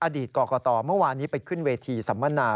อดีตกรกตเมื่อวานนี้ไปขึ้นเวทีสัมมนา